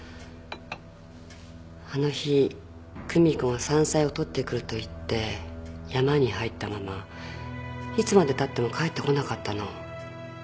あの日久美子が「山菜を採ってくる」と言って山に入ったままいつまでたっても帰ってこなかったの。